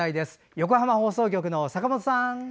横浜放送局の坂本さん。